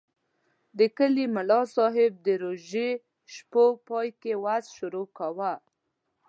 د کلي ملاصاحب د روژې شپو پای کې وعظ شروع کاوه.